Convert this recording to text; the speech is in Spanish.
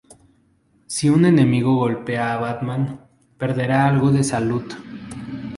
Si un enemigo golpea a Batman, perderá algo de salud.